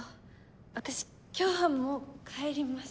私今日はもう帰ります。